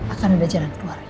akan ada jalan keluarnya